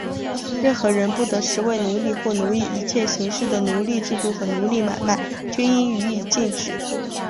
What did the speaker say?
任何人不得使为奴隶或奴役;一切形式的奴隶制度和奴隶买卖,均应予以禁止。